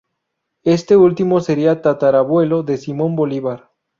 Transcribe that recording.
Este último sería tatarabuelo de Simón Bolívar.